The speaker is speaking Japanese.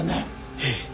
ええ。